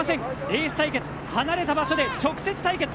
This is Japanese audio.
エース対決離れた場所で直接対決